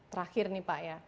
terakhir nih pak ya